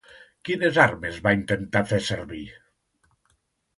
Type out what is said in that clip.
Quines armes va intentar fer servir?